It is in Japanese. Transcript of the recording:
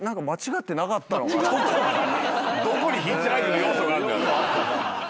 どこにヒッチハイクの要素があんだよ？